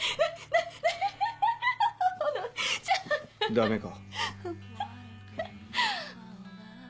ダメか？